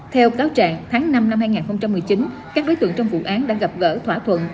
theo cáo trạng tháng năm năm hai nghìn một mươi chín các đối tượng trong vụ án đã gặp gỡ thỏa thuận